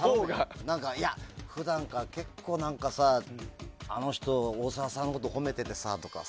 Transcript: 普段から結構、あの人大沢さんのこと褒めててさとか。